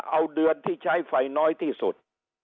เอาเดือนที่ใช้ไฟน้อยที่สุด